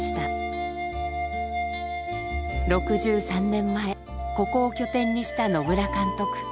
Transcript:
６３年前ここを拠点にした野村監督。